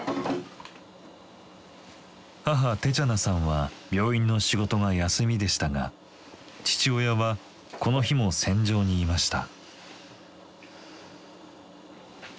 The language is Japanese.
母テチャナさんは病院の仕事が休みでしたが父親はこの日も戦場にいました。